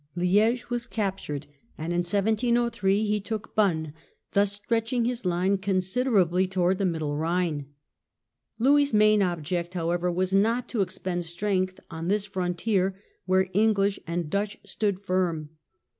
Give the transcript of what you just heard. lAhge was cap tured, and in 1703 he took Bonn, thus stretching his line considerably towards the Middle Rhine. Louis' main object, however, was not to expend strength on this fron tier where English and Dutch stood firm.